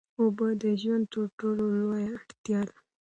اوبه د ژوند تر ټولو لویه اړتیا ده.